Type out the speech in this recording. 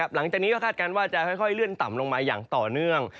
หลังจากนี้ก็คาดการณ์ว่าจะค่อยเลื่อนต่ำลงมาอย่างต่อเนื่อง